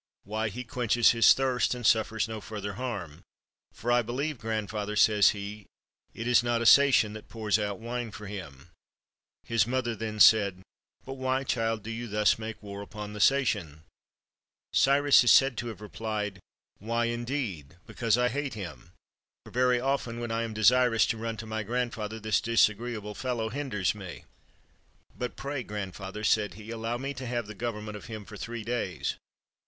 "Why, he quenches his thirst, and suffers no further harm; for I believe, grandfather," says he, "it is not a Sacian that pours out wine for him." His mother then said: — 298 WHEN CYRUS THE GREAT WAS A BOY "But why, child, do you thus make war upon the Sacian?" Cyrus is said to have replied: — "Why, indeed, because I hate him; for, very often, when I am desirous to run to my grandfather, this dis agreeable fellow hinders me. But pray, grandfather," said he, " allow me to have the government of him for three days."